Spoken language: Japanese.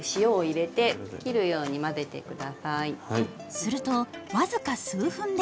すると僅か数分で。